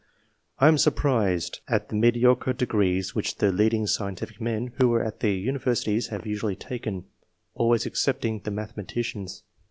I am surprised at the mediocre degrees which the leading scientific men who were at the univer sities have usually taken, always excepting the mathematicians.